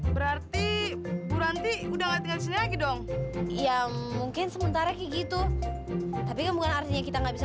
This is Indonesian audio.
berarti berhenti udah nggak lagi dong iya mungkin sementara gitu tapi bukan artinya kita nggak bisa